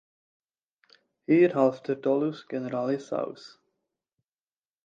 Hier half der dolus generalis aus.